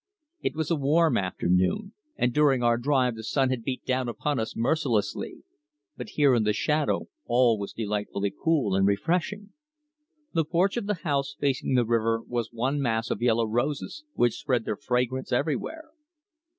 It was a warm afternoon, and during our drive the sun had beat down upon us mercilessly, but here in the shadow all was delightfully cool and refreshing. The porch of the house facing the river was one mass of yellow roses, which spread their fragrance everywhere.